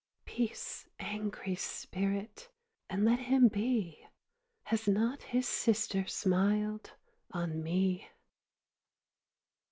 4. Peace, angry spirit, and let him be! Has not his sister smiled on me?